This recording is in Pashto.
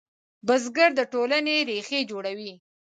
بزګر د ټولنې ریښې جوړوي